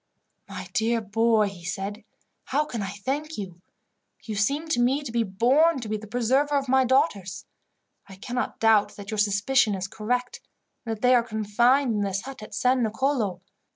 "My dear boy," he said, "How can I thank you! You seem to me to be born to be the preserver of my daughters. I cannot doubt that your suspicion is correct, and that they are confined in this hut at San Nicolo.